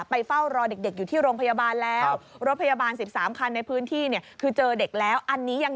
และก็เป็นเงินสร้างผลของของหญิง